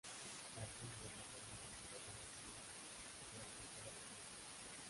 Tras ello, la Ronda recorrerá la ciudad durante toda la noche.